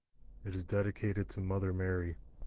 It is dedicated to Mother Mary.